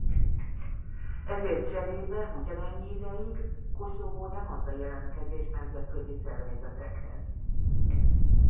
Ezért cserébe ugyanennyi ideig Koszovó nem ad be jelentkezést nemzetközi szervezetekhez.